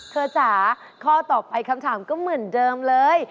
จ๋าข้อต่อไปคำถามก็เหมือนเดิมเลย